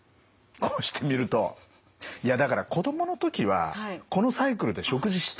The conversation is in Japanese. こうして見るといやだから子供の時はこのサイクルで食事してたんですよ。